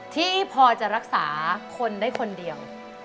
ที่พอจะรักษาคนได้คนเดียว